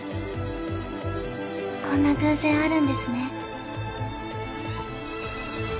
こんな偶然あるんですね。